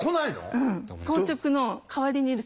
うん。